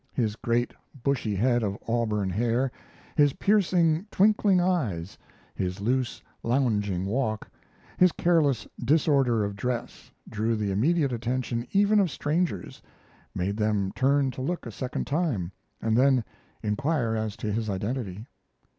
His great bushy head of auburn hair, his piercing, twinkling eyes, his loose, lounging walk, his careless disorder of dress, drew the immediate attention even of strangers; made them turn to look a second time and then inquire as to his identity.